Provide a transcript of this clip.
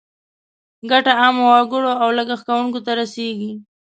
ګټه عامو وګړو او لګښت کوونکو ته رسیږي.